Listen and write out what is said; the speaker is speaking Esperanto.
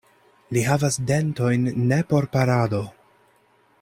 Li havas dentojn ne por parado.